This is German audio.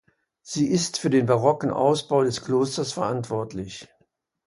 Sie ist für den barocken Ausbau des Klosters verantwortlich.